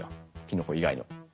キノコ以外にも。